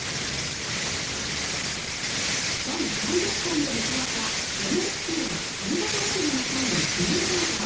第３００回を迎えた「ＮＨＫ上方落語の会」の記念口上。